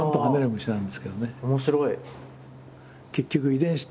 面白い！